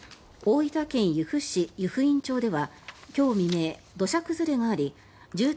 大分県由布市湯布院町では今日未明、土砂崩れがあり住宅